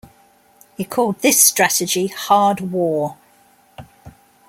He called this strategy hard war.